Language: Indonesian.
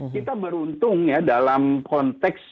kita beruntung ya dalam konteks